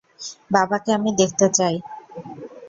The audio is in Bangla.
বাবাকে আমি দেখতে চাই।